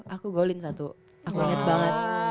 aku goal in satu aku inget banget